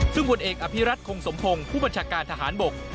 ซึ่งผลเอกอภิรัตคงสมพงศ์ผู้บัญชาการทหารบก